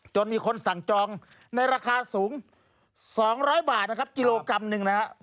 มีคนสั่งจองในราคาสูง๒๐๐บาทนะครับกิโลกรัมหนึ่งนะครับ